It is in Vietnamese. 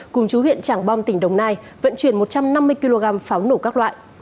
cùng chú huyện trảng bom tỉnh đồng nai vận chuyển một trăm năm mươi kg pháo nổ các loại